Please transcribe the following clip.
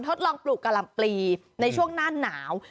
ทดลองปลูกกะลำปลีในช่วงหน้าหนาว